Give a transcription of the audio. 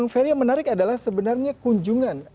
ferry yang menarik adalah sebenarnya kunjungan